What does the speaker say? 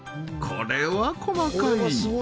これは細かい！